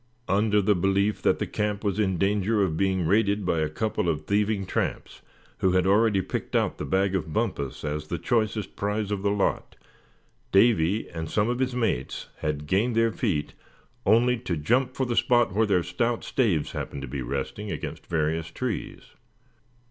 Under the belief that the camp was in danger of being raided by a couple of thieving tramps, who had already picked out the bag of Bumpus as the choicest prize of the lot, Davy and some of his mates had gained their feet only to jump for the spot where their stout staves happened to be resting against various trees.